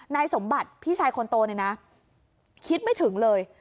นายสมบัติพี่ชายคนโตเนี่ยนะคิดไม่ถึงเลย